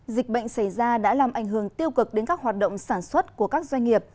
dịch bệnh xảy ra đã làm ảnh hưởng tiêu cực đến các hoạt động sản xuất của các doanh nghiệp